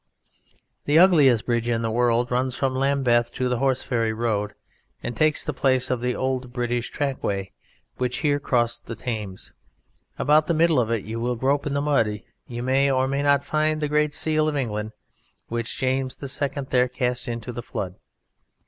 The ugliest bridge in the world runs from Lambeth to the Horseferry Road, and takes the place of the old British trackway which here crossed the Thames. About the middle of it, if you will grope in the mud, you may or may not find the great Seal of England which James II there cast into the flood.